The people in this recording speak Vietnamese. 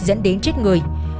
dẫn đến chết người